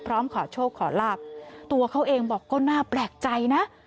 ขอโชคขอลาบตัวเขาเองบอกก็น่าแปลกใจนะ